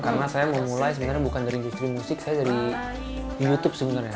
karena saya mau mulai sebenarnya bukan dari industri musik saya dari youtube sebenarnya